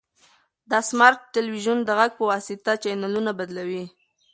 دا سمارټ تلویزیون د غږ په واسطه چینلونه بدلوي.